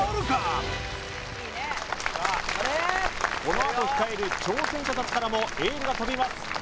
このあと控える挑戦者達からもエールが飛びます